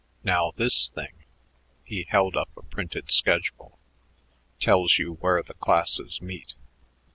Now this thing" he held up a printed schedule "tells you where the classes meet."